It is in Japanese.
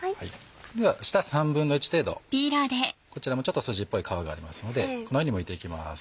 では下１／３程度こちらもちょっと筋っぽい皮がありますのでこのようにむいていきます。